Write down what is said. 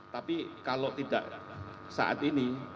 tapi kalau tidak saat ini